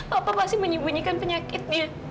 papa pasti menyembunyikan penyakitnya